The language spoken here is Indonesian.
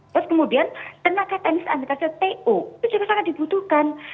terus kemudian tenaga teknis administrasi atau tu itu juga sangat dibutuhkan